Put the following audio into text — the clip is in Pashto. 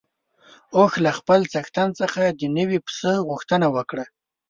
اوښ له خپل څښتن څخه د نوي پسه غوښتنه وکړه.